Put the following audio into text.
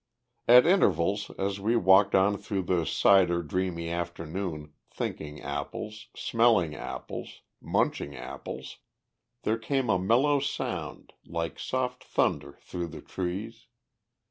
At intervals, as we walked on through the cider dreamy afternoon, thinking apples, smelling apples, munching apples, there came a mellow sound like soft thunder through the trees.